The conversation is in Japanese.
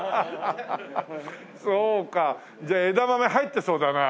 そうかじゃあ枝豆入ってそうだなあ。